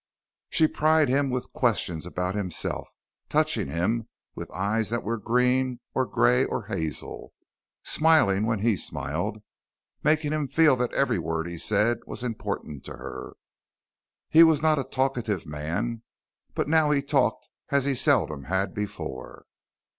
She pried him with questions about himself, touching him with eyes that were green or gray or hazel, smiling when he smiled, making him feel that every word he said was important to her. He was not a talkative man, but now he talked as he seldom had before.